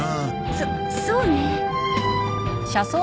そそうね。